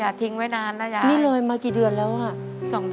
อเรนนี่ต้องมีวัคซีนตัวหนึ่งเพื่อที่จะช่วยดูแลพวกม้ามและก็ระบบในร่างกาย